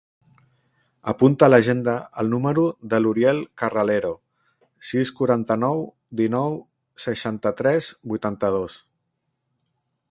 Apunta a l'agenda el número de l'Uriel Carralero: sis, quaranta-nou, dinou, seixanta-tres, vuitanta-dos.